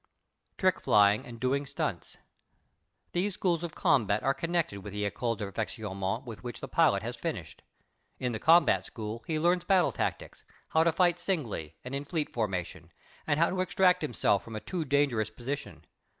TRICK FLYING AND DOING STUNTS These schools of combat are connected with the écoles de perfectionnement with which the pilot has finished. In the combat school he learns battle tactics, how to fight singly and in fleet formation, and how to extract himself from a too dangerous position.